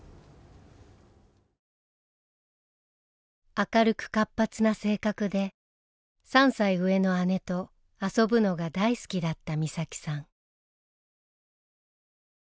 明るく活発な性格で３歳上の姉と遊ぶのが大好きだった美咲さん。